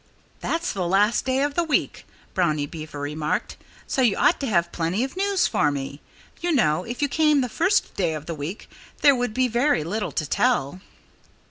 "That's the last day of the week," Brownie Beaver remarked, "so you ought to have plenty of news for me. You know, if you came the first day of the week there would be very little to tell."